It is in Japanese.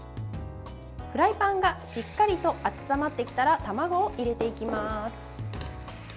フライパンがしっかりと温まってきたら卵を入れていきます。